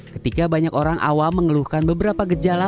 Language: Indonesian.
ketika banyak orang awam mengeluhkan beberapa gejala